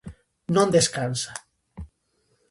Non descansa.